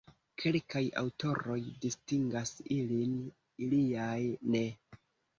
Kelkaj aŭtoroj distingas ilin, aliaj ne.